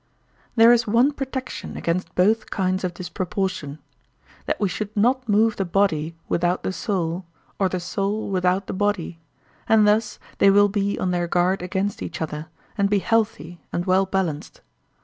There is one protection against both kinds of disproportion:—that we should not move the body without the soul or the soul without the body, and thus they will be on their guard against each other, and be healthy and well balanced.